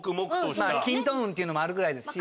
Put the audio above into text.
まあ筋斗雲っていうのもあるぐらいですし。